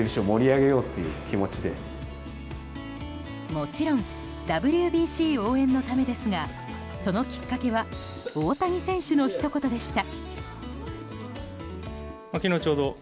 もちろんＷＢＣ応援のためですがそのきっかけは大谷選手のひと言でした。